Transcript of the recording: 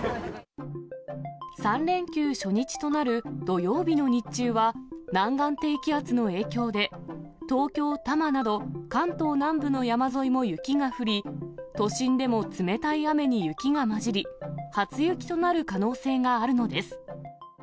３連休初日となる土曜日の日中は、南岸低気圧の影響で、東京・多摩など関東南部の山沿いも雪が降り、都心でも冷たい雨に雪が交じり、初雪となる可能性があるのです。